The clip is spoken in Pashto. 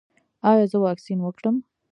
ایا زه واکسین وکړم؟